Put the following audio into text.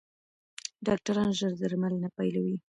ډاکټران ژر درملنه پیلوي.